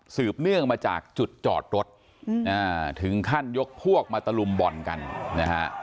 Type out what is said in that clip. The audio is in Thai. เนื่องมาจากจุดจอดรถถึงขั้นยกพวกมาตะลุมบ่อนกันนะฮะ